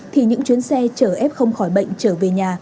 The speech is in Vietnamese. thì những chuyến xe chở f khỏi bệnh trở về nhà